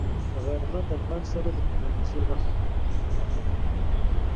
غرمه د لمر سره د مبارزې وخت دی